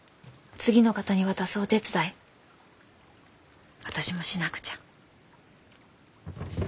次の方に渡すお手伝い私もしなくちゃ。